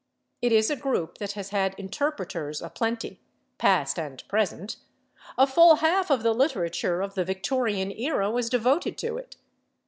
It is a group that has had interpreters aplenty, past and present; a full half of the literature of the Victorian era was devoted to it.